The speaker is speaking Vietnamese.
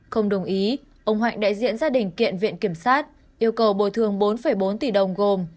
không đồng ý ông hạnh đại diện gia đình kiện viện kiểm sát yêu cầu bồi thường bốn bốn tỷ đồng gồm